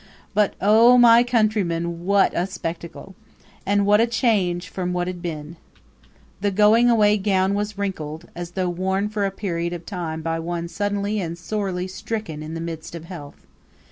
But oh, my countrymen, what a spectacle! And what a change from what had been! The going away gown was wrinkled, as though worn for a period of time by one suddenly and sorely stricken in the midst of health.